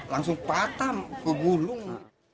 langsung patah kegulung